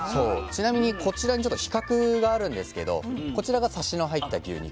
ちなみにこちらに比較があるんですけどこちらがサシの入った牛肉。